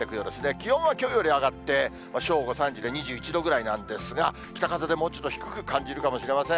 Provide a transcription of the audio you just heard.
気温はきょうより上がって、正午、３時で２１度ぐらいなんですが、北風でもうちょっと低く感じるかもしれません。